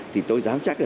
thì tôi dám chắc